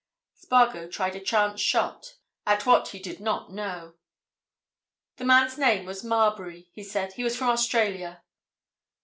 Spargo tried a chance shot—at what he did not know. "The man's name was Marbury," he said. "He was from Australia."